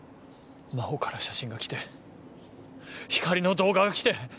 真帆から写真が来て光莉の動画が来て。